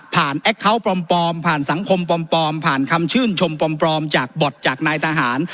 แอคเคาน์ปลอมผ่านสังคมปลอมผ่านคำชื่นชมปลอมจากบอร์ดจากนายทหาร